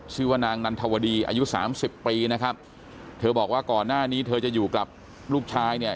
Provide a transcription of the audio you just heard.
ชื่อว่านางนันทวดีอายุสามสิบปีนะครับเธอบอกว่าก่อนหน้านี้เธอจะอยู่กับลูกชายเนี่ย